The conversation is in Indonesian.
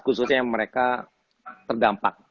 khususnya yang mereka terdampak